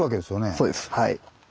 そうですはい。